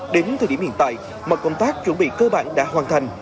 đến thời điểm hiện tại mọi công tác chuẩn bị cơ bản đã hoàn thành